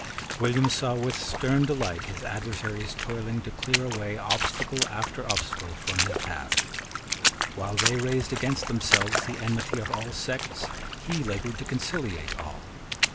William saw with stern delight his adversaries toiling to clear away obstacle after obstacle from his path. While they raised against themselves the enmity of all sects, he laboured to conciliate all.